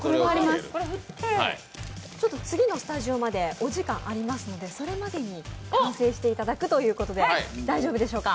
次のスタジオまでお時間がありますのでそれまでに完成していただくということで大丈夫でしょうか。